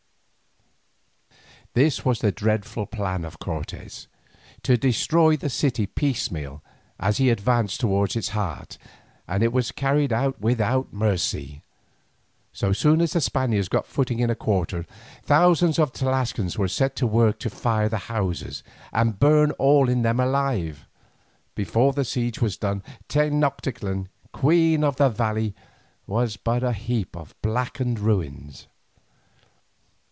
This was the dreadful plan of Cortes: to destroy the city piecemeal as he advanced towards its heart, and it was carried out without mercy. So soon as the Spaniards got footing in a quarter, thousands of the Tlascalans were set to work to fire the houses and burn all in them alive. Before the siege was done Tenoctitlan, queen of the valley, was but a heap of blackened ruins.